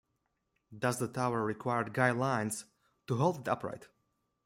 Thus the tower required guy lines to hold it upright.